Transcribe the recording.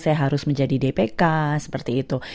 saya harus menjadi dpk seperti itu